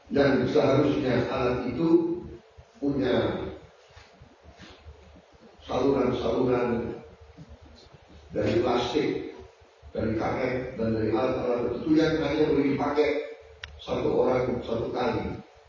dan seharusnya alat itu punya saluran saluran dari plastik dari karet dan dari alat alat tertunjuk yang bisa dipakai satu orang satu kali